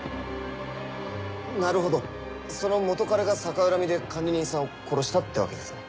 なるほどその元彼が逆恨みで管理人さんを殺したってわけですか。